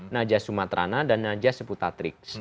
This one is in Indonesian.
najas sumaterana dan najas seputatriks